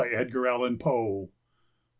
Edgar Allan Poe 762.